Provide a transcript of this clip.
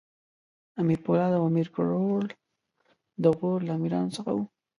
امیر پولاد او امیر کروړ د غور له امراوو څخه وو.